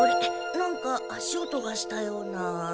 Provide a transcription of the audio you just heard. なんか足音がしたような。